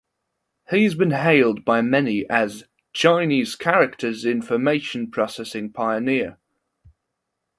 He has been hailed by many as "Chinese characters information processing pioneer".